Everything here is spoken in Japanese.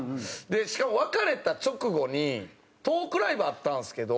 しかも別れた直後にトークライブあったんですけど